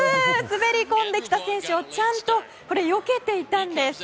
滑り込んできた選手をちゃんとよけていたんです。